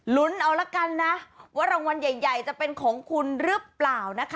ลุ้นเอาละกันนะว่ารางวัลใหญ่จะเป็นของคุณหรือเปล่านะคะ